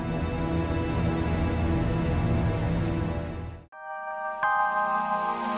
saya berharap rencana ini bisa berjalan lebih cepat pak